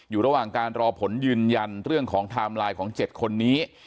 อยู่ระหว่างการรอผลยืนยันเรื่องของไทม์ไลน์ของ๗คนนี้